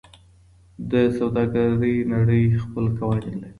د سوداګرۍ نړۍ خپل قوانین لري.